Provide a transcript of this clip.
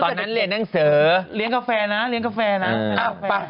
ตอนนั้นเรียนหนังสือเธอยังเลี้ยงกาแฟนะ